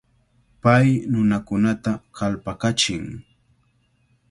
Pay nunakunata kallpakachin.